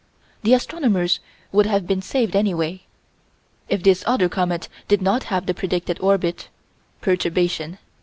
The astronomers would have been saved anyway. If this other comet did not have the predicted orbit perturbation.